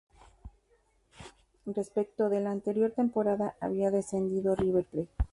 Respecto de la anterior temporada, había descendido River Plate.